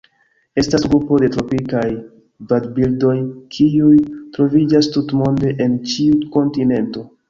Estas grupo de tropikaj vadbirdoj kiuj troviĝas tutmonde en ĉiu kontinento.